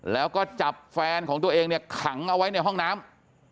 แล้วก็จับแฟนของตัวเองเนี่ยขังเอาไว้ในห้องน้ำ